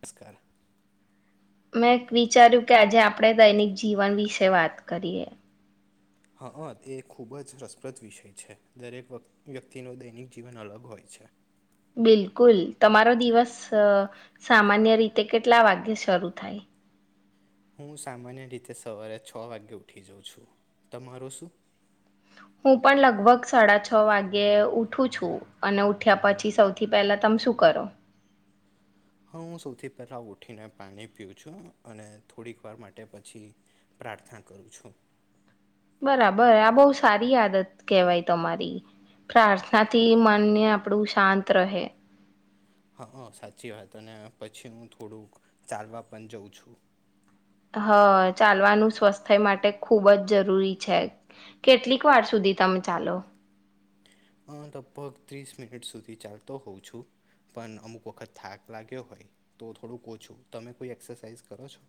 નમસ્કાર મેં વિચાર્યું કે આજે આપણે દૈનિક જીવન વિશે વાત કરીએ હ અ એ ખૂબ જ રસપ્રદ વિષય છે દરેક વ્યક્તિનું દૈનિક જીવન અલગ હોય છે બિલકુલ તમારો દિવસ સામાન્ય રીતે કેટલા વાગ્યે શરૂ થાય હું સામાન્ય રીતે સવારે છ વાગે ઉઠી જાઉં છું તમારું શું હું પણ લગભગ સાડા છ વાગે ઉઠું છું અને ઉઠ્યા પછી સૌથી પહેલા તમે શું કરો હા હું સૌથી પહેલાં ઉઠીને પાણી પીવું છું અને થોડીક વાર માટે પછી પ્રાર્થના કરું છું બરાબર આ બહુ સારી આદત કહેવાય તમારી પ્રાર્થના થી મનને આપણું શાંત રહે હા હ સાચી વાત અને પછી હું થોડુંક ચાલવા પણ જાઉં છું હા ચાલવાનું સ્વાસ્થ્ય માટે ખુબ જ જરૂરી છે કેટલીક વાર સુધી તમે ચાલો હ લગભગ ત્રીસ મિનિટ સુધી ચાલતો હોવુ છું પણ અમુક વખત થાક લાગ્યો હોય તો થોડુંક ઓછું તમે કોઈ એક્સરસાાઈઝ કરો છો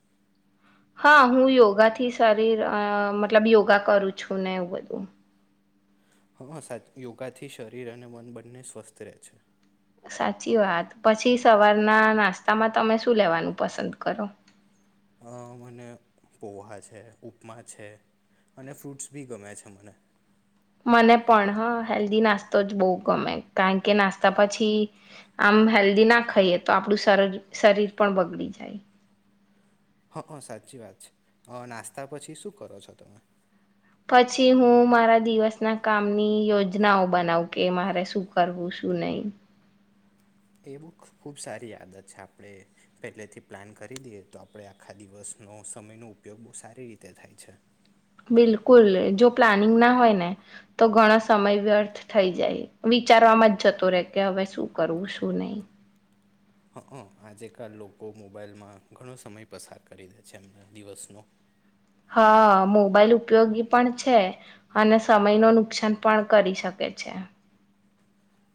હા હું યોગા થી શરીર અ મતલબ યોગા કરું છું ને એવું બધું હા સાચુ યોગાથી શરીર અને મન બંને સ્વસ્થ રહે છે સાચી વાત પછી સવારના નાસ્તામાં તમે શું લેવાનું પસંદ કરો મને પોહા છે ઉપમા છે અને ફ્રૂટ્સ બી ગમે છે મને મને પણ હ હેલ્ધી નાસ્તો જ બહુ ગમે કારણ કે નાસ્તા પછી આમ હેલ્ધી ના ખાઈએ તો આપણું શરીર પણ બગડી જાય હ સાચી વાત છે અ નાસ્તા પછી શું કરો છો તમે પછી હું મારા દિવસના કામની યોજનાઓ બનાવ કે મારે શું કરવું શું નહી એ બહુ ખુબ સારી આદત છે આપણે પહેલેથી પ્લાન કરી દઈએ તો આપણે આખા દિવસનો સમયનો ઉપયોગ બહુ સારી રીતે થાય છે બિલકુલ જો પ્લાનિંગ ના હોય ને તો ઘણો સમય વ્યર્થ થઈ જાય વિચારવામાં જ જતો રહેે કે હવે શું કરવું શું નહી હ હં આજેકાલ લોકો મોબાઈલમાં ઘણો સમય પસાર કરી દે છે એમના દિવસનો હા મોબાઈલ ઉપયોગી પણ છે અને સમય ન નુકસાન પણ કરી શકે છે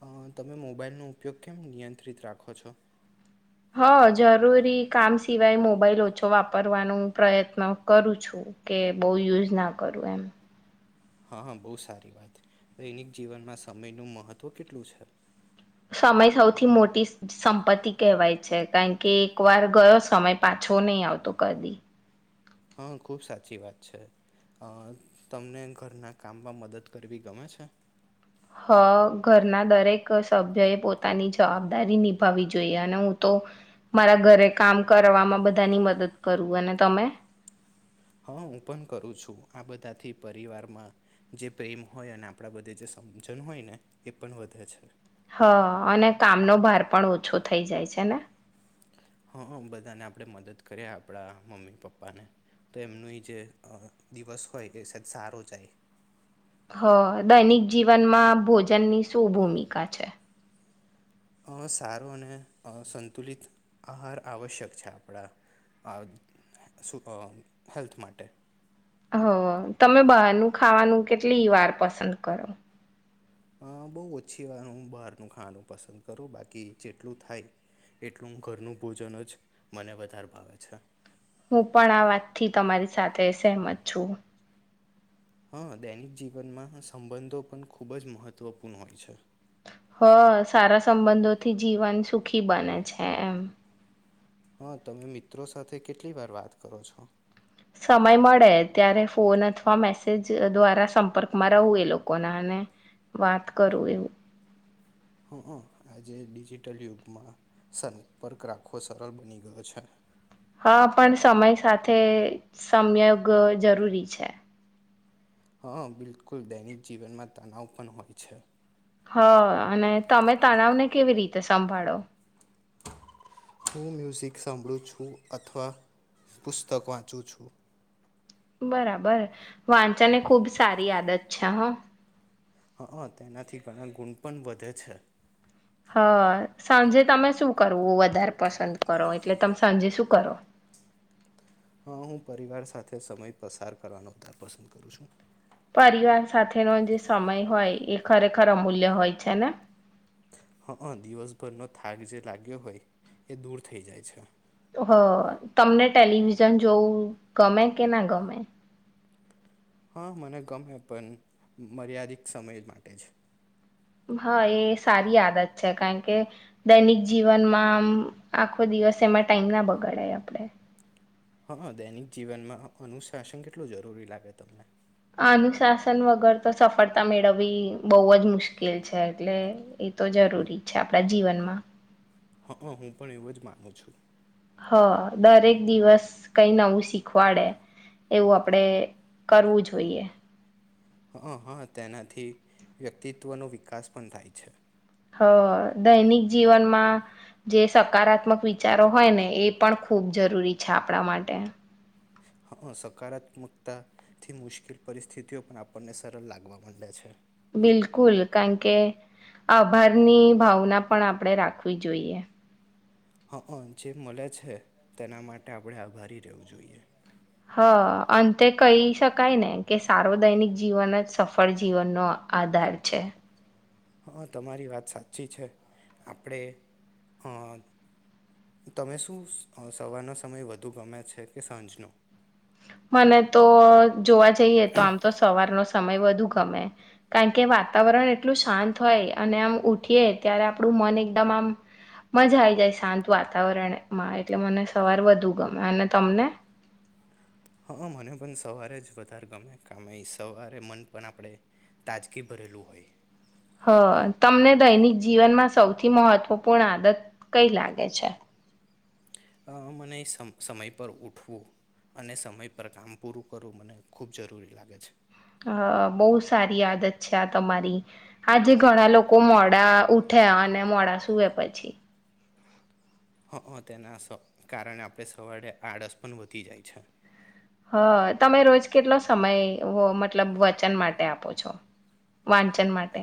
અ તમે મોબાઈલનો ઉપયોગ કેમ નિયંત્રિત રાખો છો હ જરૂરી કામ સિવાય મોબાઈલ ઓછો વાપરવાનો પ્રયત્ન કરું છું કે બહુ યુઝ ના કરું એમ હા બહુ સારી વાત દૈનિક જીવનમાં સમયનું મહત્ત્વ કેટલું છે સમય સૌથી મોટી સંપત્તિ કહેવાય છે કારણ કે એક વાર ગયો સમય પાછો નહી આવતો કદી હા ખૂબ સાચી વાત છે તમને ઘરના કામમાં મદદ કરવી ગમે છે હ ઘરના દરેક સભ્ય એ પોતાની જવાબદારી નિભાવવી જોઈએ અને હું તો મારા ઘરે કામ કરવામાં બધાની મદદ કરું અને તમે હા હું પણ કરું છું આ બધાથી પરિવારમાં જે પ્રેમ હોય અને આપણા બધે જે સમજણ હોય ને એ પણ વધે છે હ અને કામનો ભાર પણ ઓછો થઈ જાય છે ને હા બધાને આપણે મદદ કરીએ આપણા મમ્મી પપ્પાને તો એમનું જે દિવસ હોય એ સાદ સારો જાય હ દૈનિક જીવનમાં ભોજનની શું ભૂમિકા છે સારો અને સંતુલિત આહાર આવશ્યક છે આપણા હેલ્થ માટે હ તમે બહારનું ખાવાનું કેટલી વાર પસંદ કરો બહુ ઓછી વાર હું બહારનું ખાવાનું પસંદ કરું બાકી જેટલું થાય એટલું ઘરનું ભોજન જ મને વધારે ભાવે છે હું પણ આ વાતથી તમારી સાથે સહેમત છું હા દૈનિક જીવનમાં સંબંધો પણ ખૂબ જ મહત્વપૂર્ણ હોય છે હ સારા સંબંધોથી જીવન સુખી બને છે એમ હા તમે મિત્રો સાથે કેટલી વાર વાત કરો છો સમય મળે ત્યારે ફોન અથવા મેસેજ દ્વારા સંપર્કમાં રહવું એ લોકોના અને વાત કરું એવું હ આજે ડિજિટલ યુગમાં સંપર્ક રાખવો સરળ બની ગયો છે હા પણ સમય સાથે સંયોગ જરૂરી છે હા બિલકુલ દૈનિક જીવનમાં તણવ પણ હોય છે હ અને તમે તણાવને કેવી રીતે સંભાળો હું મ્યુઝિક સાંભળું છું અથવા પુસ્તક વાંચું છું બરાબર વાંચા ને ખુબ સારી આદત છે છ હા હ તેનાથી ઘણા ગુણ પણ વધે છે હા સાંજે તમે શું કરવું વધારે પસંદ કરો એટલે તમે સાંજે શું કરો હા હું પરિવાર સાથે સમય પસાર કરવાનો ઉાર પસંદ કરું છું પરિવાર સાથેનો જે સમય હોય એ ખરેખર અમૂલ્ય હોય છે ને હા દિવસભરનો થાક જે લાગ્યો હોય એ દૂર થઈ જાય છે હ તમને ટેલિવિઝન જોવું ગમે કે ના ગમે હા મને ગમે પણ મર્યાદિત સમય માટે જ હા એ સારી આદત છે કારણ કે દૈનિક જીવનમાં આમ આખો દિવસ એમાં ટાઈમ ના બગાડાય આપડે હા દૈનિક જીવનમાં અનુશાસન કેટલું જરૂરી લાગે તમને અનુશાસન વગર તો સફળતા મેળવવી બહુ જ મુશ્કેલ છે એટલે એ તો જરૂરી છે આપણા જીવનમાં હા હ હું પણ એવું જ માનું છું હ દરેક દિવસ કઈ નવું શીખવાડે એવું આપડે કરવું જોઈએ હ હા તેનાથી વ્યક્તિત્વનો વિકાસ પણ થાય છે હ દૈનિક જીવનમાં જે સકારાત્મક વિચારો હોય ને એ પણ ખૂબ જરૂરી છે આપણા માટે હ સકારાત્મકતાથી મુશ્કેલ પરિસ્થિતિઓ પણ આપણને સરળ લાગવા માંડે છે બિલકુલ કારણ કે આભારની ભાવના પણ આપણે રાખવી જોઈએ હા જે મળે છે તેના માટે આપણે આભારી રહેવું જોઈએ હ અંતે કહી શકાય ને કે સાર્વદૈનિક જીવન જ સફળ જીવનનોો આધાર છે હા તમારી વાત સાચી છે આપણે તમે શું સવારનો સમય વધુ ગમે છે કે સાંજનો મને તો જોવા જઈએ તો આમ તો સવારનો સમય વધુ ગમે કારણ કે વાતાવરણ એટલું શાંત હોય અને આમ ઉઠીએ ત્યારે આપણું મન એકદમ આમ મજા આઈ જાય શાંત વાતાવરણમાં એટલે મને સવાર વધુ ગમે અને તમને હા મને પણ સવારે જ વધારે ગમે કમે સવારે મન પણ આપણે તાજગી ભરેલું હોય હ તમને દૈનિક જીવનમાં સૌથી મહત્વપૂર્ણ આદત કઈ લાગે છે અ મને સમય પર ઉઠવું અને સમય પર કામ પૂરું કરવું મને ખૂબ જરૂરી લાગે છે હ બહુ સારી યાદ છે તમારી આજે ઘણા લોકો મોડા ઉઠે અને મોડા સુૂવે પછી હ હ તેના કારણે આપણે સવારેે આળસ પણ વધી જાય છે હા તમે રોજ કેટલો સમય મતલબ વચન માટે આપો છો વાંચન માટે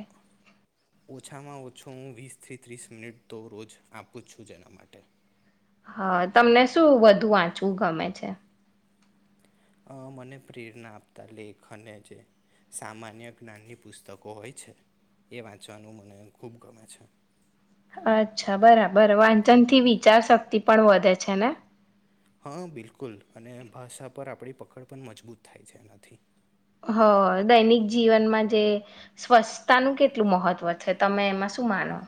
ઓછામાં ઓછો હું વીસથી ત્રીસ મિનિટ તો રોજ આપું છું જેના માટે હા તમને શું વધુ વાંચવું ગમે છે મને પ્રેરણા આપતા લેખને જે સામાન્ય જ્ઞાનની પુસ્તકો હોય છે એ વાંચવાનું મને ખૂબ ગમે છે અચ્છા બરાબર વાંચન થી વિચારશક્તિ પણ વધે છે ને હા બિલકુલ અને ભાષા પર આપણી પકડ પણ મજબૂત થાય છે એનાથી હ દૈનિક જીવનમાં જે સ્વચ્છતાનું કેટલું મહત્વ છે તમે એમાં શું માનો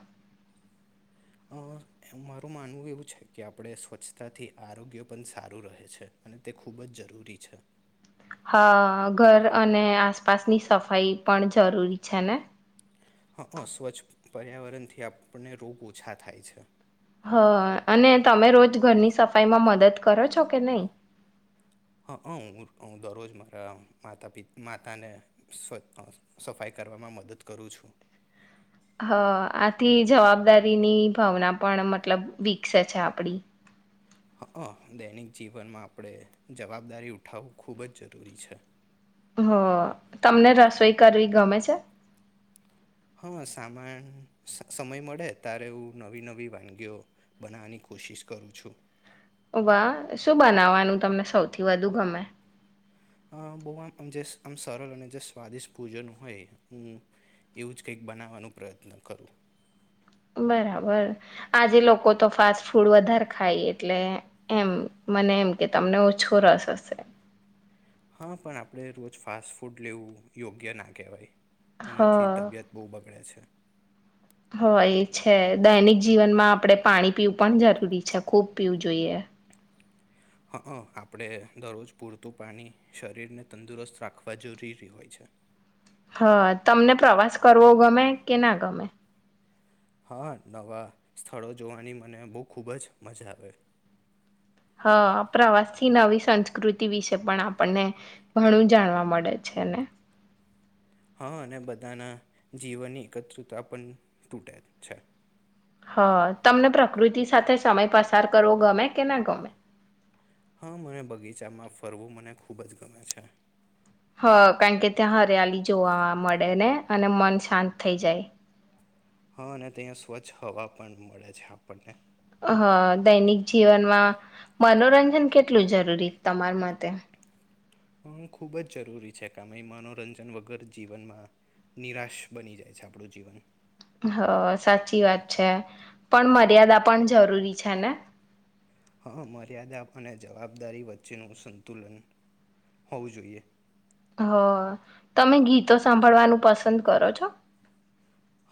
અ મારું માનવું એવું છે કે આપણે સ્વચ્છતાથી આરોગ્ય પણ સારું રહે છે તે ખૂબ જ જરૂરી છે હ ઘર અને આસપાસની સફાઈ પણ જરૂરી છે ને હ હ સ્વચ્છ પર્યાવરણ થી આપને રોગ ઓછા થાય છે હા અને તમે રોજ ઘરની સફાઈમાં મદદ કરો છો કે નહી હ અ હું હું દરરોજ મારા માતા પીત માતાને સફાઈ કરવામાં મદદ કરું છું હ આથી જવાબદારીની ભાવના પણ મતલબ વિકસે છે આપડી હ દૈનિક જીવનમાં આપણે જવાબદારી ઉઠાવું ખૂબ જ જરૂરી છે હ તમને રસોઈ કરવી ગમે છે હા સામાન સ સમય મળે ત્યારે હું નવી નવી વાનગીઓ બનાવવાની કોશિશ કરું છું વા શું બનાવાનું તમને સૌથી વધુ ગમે આમ બહુ આમમ જેશ આમ સરળ અને જેશ સ્વાદિષ્ટ ભોજન હોય હું એવું જ કંઈક બનાવવાનો પ્રયત્ન કરું બરાબર આજે લોકો તો ફાસ્ટ ફૂડ વધારે ખાય એટલે એમ મને એમ કે તમને ઓછો રસ હશે હા પણ આપણે રોજ ફાસ્ટ ફૂડ લેવું યોગ્ય ના કહેવાય હ એનાથી તબિયત બહુ બગડે છે હોય એ છે દૈનિક જીવનમાં આપણે પાણી પીવું પણ જરૂરી છે ખૂબ પીવું જોઈએ હ અ આપણે દરરોજ પૂરતું પાણી શરીરને તંદુરસ્ત રાખવા જરૂરી હોય છે હા તમને પ્રવાસ કરવો ગમે કે ના ગમે હા નવા સ્થળો જોવાની મને બહુ ખૂબ જ મજા આવે હા પ્રવાસથી નવી સંસ્કૃતિ વિશે પણ આપણને ઘણું જાણવા મળે છે ને હા અને બધાના જીવનની એકત્રતા પણ તૂટે છે હા તમને પ્રકૃતિ સાથે સમય પસાર કરવો ગમે કે ના ગમે હા મને બગીચામાં ફરવું મને ખૂબ જ ગમે છે હા કારણ કે ત્યાં હરિયાલી જોવા મળે ને અને મન શાંત થઈ જાય હા અને ત્યાં સ્વચ્છ હવા પણ મળે છે આપણને હ અ દૈનિક જીવનમાં મનોરંજન કેટલું જરૂરી તમારા માટે હું ખૂબ જ જરૂરી છે કામ એ મનોરંજન વગર જીવનમાં નિરાશ બની જાય છે આપણું જીવન હ સાચી વાત છે પણ મર્યાદા પણ જરૂરી છે ને હા મર્યાદા અને જવાબદારી વચ્ચેનું સંતુલન હોવું જોઈએ હ તમે ગીતો સાંભળવાનું પસંદ કરો છો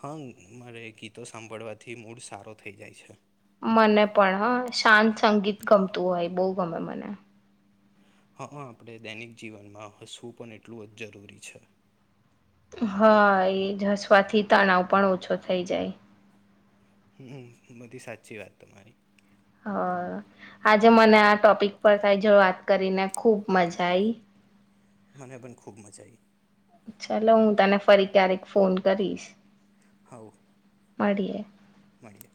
હા મારે ગીતો સાંભળવાથી મૂડ સારો થઈ જાય છે મને પણ હ શાંત સંગીત ગમતું હોય બહુ ગમે મને હ અ આપણે દૈનિક જીવનમાં હસવું પણ એટલું જ જરૂરી છે હા એ જ હસવાથી તણાવ પણ ઓછો થઈ જાય હમ બધી સાચી વાત તમારી હ આજે મને આ ટોપિક પર થાય જો વાત કરીને ખુબ મજા આઈ મને પણ ખૂબ મજા ચાલો હું તને ફરી ક્યારેક ફોન કરીશ હા મળીએ મળીએ